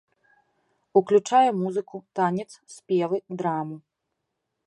Уключае музыку, танец, спевы, драму.